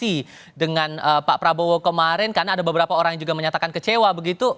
ini dengan pak prabowo kemarin karena ada beberapa orang yang juga menyatakan kecewa begitu